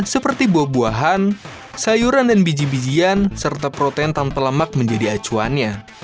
seperti buah buahan sayuran dan biji bijian serta protein tanpa lemak menjadi acuannya